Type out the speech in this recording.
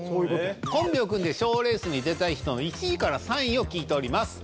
コンビを組んで賞レースに出たい人の１位３位を聞いております。